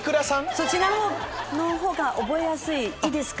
そちらのほうが覚えやすいいいですか？